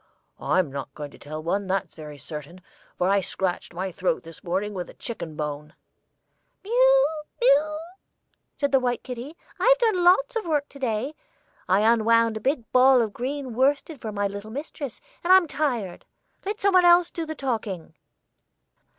I'm not going to tell one, that's very certain, for I scratched my throat this morning with a chicken bone." "Mew mew," said the white kitty. "I've done lots of work to day. I unwound a big ball of green worsted for my little mistress, and I'm tired. Let somebody else do the talking."